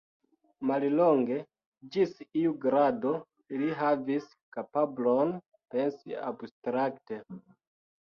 Mallonge, ĝis iu grado ili havis kapablon pensi abstrakte.